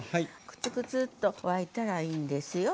くつくつっと沸いたらいいんですよ。